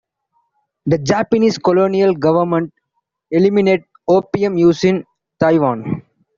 The Japanese colonial government eliminate opium use in Taiwan.